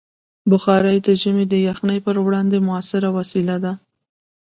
بخاري د ژمي د یخنۍ پر وړاندې مؤثره وسیله ده.